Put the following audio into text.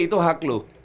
itu hak lo